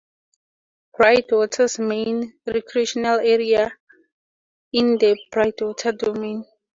Brightwater's main recreational area is the Brightwater Domain.